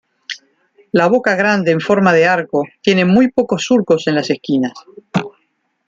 La boca grande en forma de arco tiene muy poco surcos en las esquinas.